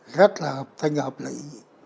rất là tình hợp lý